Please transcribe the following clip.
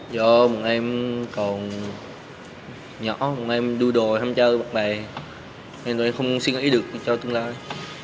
do một em còn nhỏ một em đu đồi không chơi với bạn bè nên tụi em không suy nghĩ được cho tương lai